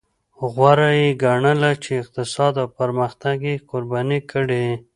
غوره یې ګڼله چې اقتصاد او پرمختګ یې قرباني کړي.